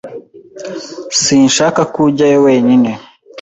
Sinshaka kujyayo wenyine.